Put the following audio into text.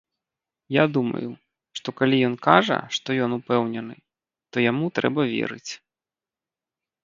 Я думаю, што калі ён кажа, што ён упэўнены, то яму трэба верыць.